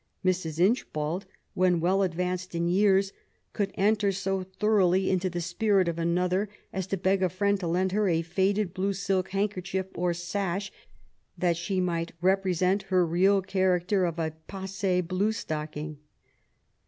Mrs. Inchbald, when well advanced in years^ could enter so thoroughly into the spirit of an other as to beg a friend to lend her a faded blue silk handkerchief or sash^ that she might represent her real character of a passie blue stocking.